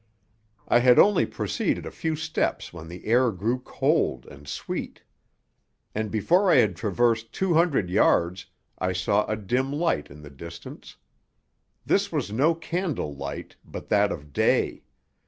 I had only proceeded a few steps when the air grew cold and sweet. And before I had traversed two hundred yards I saw a dim light in the distance. This was no candle light, but that of day.